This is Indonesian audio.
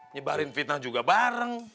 nyebarin fitnah juga bareng